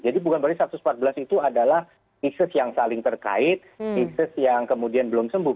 jadi bukan berarti satu ratus empat belas itu adalah isis yang saling terkait isis yang kemudian belum sembuh